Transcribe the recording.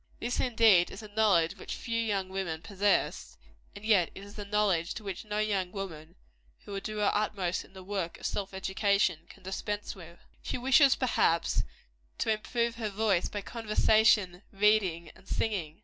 This, indeed, is a knowledge which few young women possess; and yet it is a knowledge which no young woman, who would do her utmost in the work of self education, can dispense with. She wishes, perhaps, to improve her voice by conversation, reading and singing.